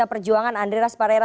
kita perjuangan andre rasparera